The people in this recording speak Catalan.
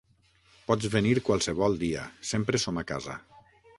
Pots venir qualsevol dia: sempre som a casa.